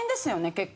結構。